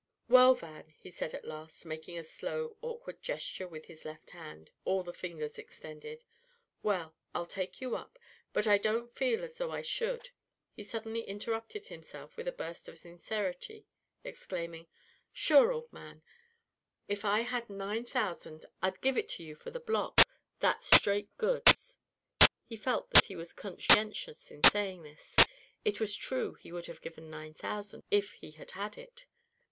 "Well, Van," he said at last, making a slow, awkward gesture with his left hand, all the fingers extended, "well, I'll take you up but I don't feel as though I should " He suddenly interrupted himself with a burst of sincerity, exclaiming: "Sure, old man, if I had nine thousand I'd give it to you for the block, that's straight goods." He felt that he was conscientious in saying this. It was true he would have given nine thousand if he had had it.